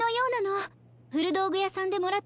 ふるどうぐやさんでもらったマント